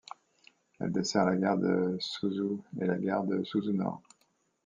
Elle déssert la Gare de Suzhou et la Gare de Suzhou-Nord.